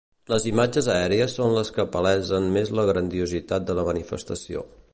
Les imatges aèries són les que palesen més la grandiositat de la manifestació.